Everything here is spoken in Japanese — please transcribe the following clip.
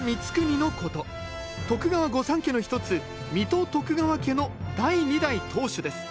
徳川御三家の一つ水戸徳川家の第二代当主です。